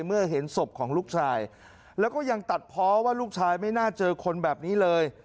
เมื่อเห็นศพของลูกชายแล้วก็ยังตัดเพราะว่าลูกชายไม่น่าเจอคนแบบนี้เลย